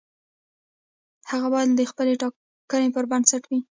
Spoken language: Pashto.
هغه باید د خپلې ټاکنې پر بنسټ وي.